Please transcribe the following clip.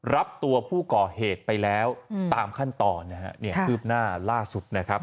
รับตัวผู้ก่อเหตุไปแล้วตามขั้นตอนนะฮะเนี่ยคืบหน้าล่าสุดนะครับ